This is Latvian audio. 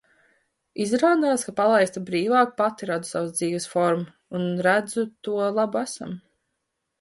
Izrādās, ka, palaista brīvāk, pati radu savas dzīves formu. Un redzu to labu esam.